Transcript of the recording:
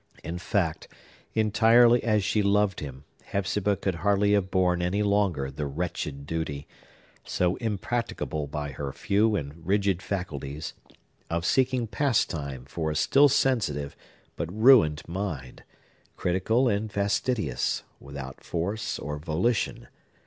In fact, entirely as she loved him, Hepzibah could hardly have borne any longer the wretched duty—so impracticable by her few and rigid faculties—of seeking pastime for a still sensitive, but ruined mind, critical and fastidious, without force or volition.